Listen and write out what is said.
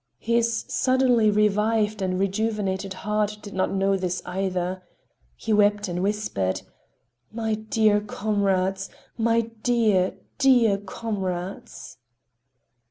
—His suddenly revived and rejuvenated heart did not know this either. He wept and whispered: "My dear comrades! My dear, dear comrades!"